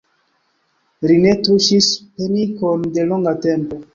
Ri ne tuŝis penikon de longa tempo.